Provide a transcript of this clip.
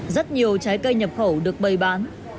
rất nhiều trái cây nhập khẩu được bày bán